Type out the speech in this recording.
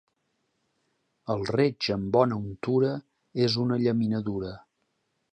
El reig amb bona untura és una llaminadura.